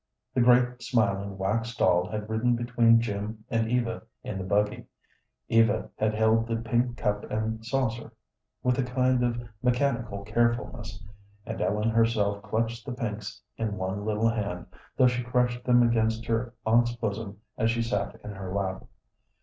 The great, smiling wax doll had ridden between Jim and Eva in the buggy, Eva had held the pink cup and saucer with a kind of mechanical carefulness, and Ellen herself clutched the pinks in one little hand, though she crushed them against her aunt's bosom as she sat in her lap.